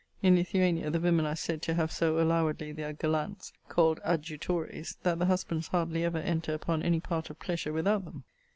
In Lithuania, the women are said to have so allowedly their gallants, called adjutores, that the husbands hardly ever enter upon any part of pleasure without them.